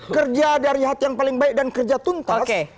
kerja dari hati yang paling baik dan kerja tuntas